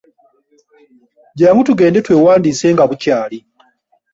Jjangu tugende twewandiise nga bukyali.